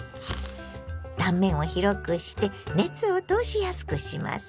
断面を広くして熱を通しやすくします。